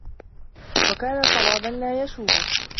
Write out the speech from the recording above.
وَكَانَ صَوَابًا لَا يَشُوبُهُ